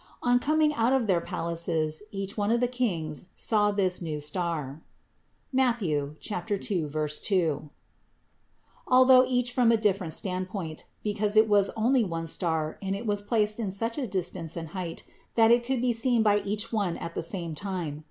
On coming out of their palaces each one of the kings saw this new star (Matth. 2, 2) although each from a different standpoint, because it was only one star and it was placed in such distance and height that it could be seen by each one at the same time.